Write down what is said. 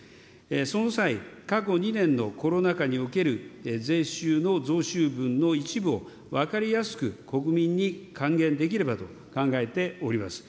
その際、過去２年のコロナ禍における税収の増収分の一部を分かりやすく国民に還元できればと考えております。